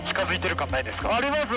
あります。